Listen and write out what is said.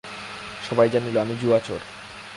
সবাই জানিল, আমি জুয়াচোর।